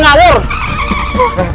jauh pak ngawur